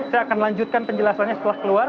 saya akan lanjutkan penjelasannya setelah keluar